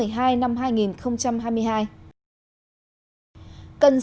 cần sát đoạn nhổn ga hà nội